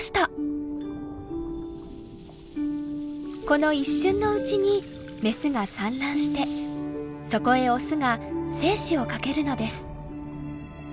この一瞬のうちにメスが産卵してそこへオスが精子をかけるのです。